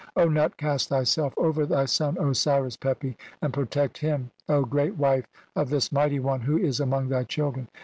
O Nut, cast thyself "over thy son Osiris Pepi, and protect him, O great "wife of this mighty one who is among thy children!